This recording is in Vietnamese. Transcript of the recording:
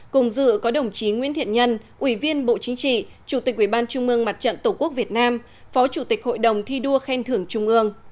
cùng dự có đồng chí nguyễn thiện nhân ủy viên bộ chính trị chủ tịch ubnd tổ quốc việt nam phó chủ tịch hội đồng thi đua khen thưởng trung ương